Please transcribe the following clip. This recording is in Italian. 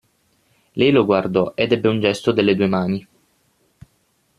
Lei lo guardò ed ebbe un gesto delle due mani.